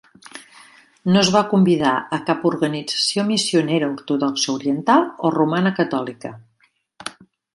No es va convidar a cap organització missionera ortodoxa oriental o romana catòlica.